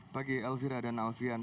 pagi elvira dan alfian